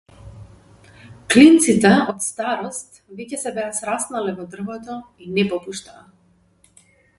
Клинците од старост веќе се беа сраснале во дрвото и не попуштаа.